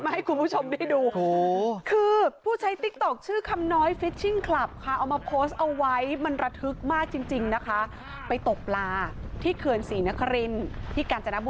ไหนเราไม่อยู่แล้วไปอยู่หมดแล้ว